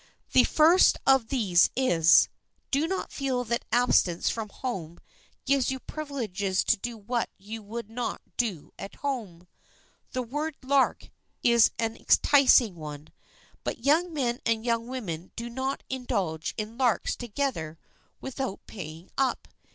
The first of these is, do not feel that absence from home gives you privileges to do what you would not do at home. The word "lark" is an enticing one, but young men and young women do not indulge in "larks" together without paying up.